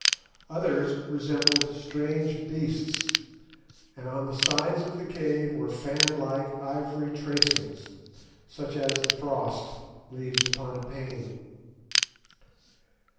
Others resembled strange beasts, and on the sides of the cave were fanlike ivory tracings, such as the frost leaves upon a pane.